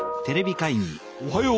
おはよう。